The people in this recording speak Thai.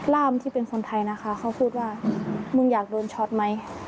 ร่ามที่เป็นคนไทยนะคะเขาพูดว่ามึงอยากโดนช็อตไหม